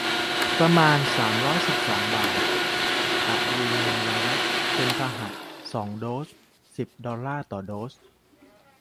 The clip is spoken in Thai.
ประมาณ สามร้อยสิบสอง บาท มีอะดรีโนไวรัสเป็นพาหะ สอง โดส สิบ ดอลลาร์ต่อโดส